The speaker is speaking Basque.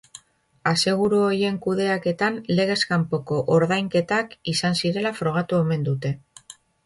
Aseguru horien kudeaketan legez kanpoko ordainketak izan zirela frogatu omen dute.